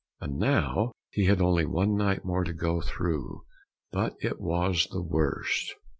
And now he had only one night more to go through, but it was the worst.